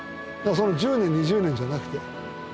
１０年２０年じゃなくて。